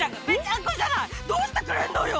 どうしてくれんのよ！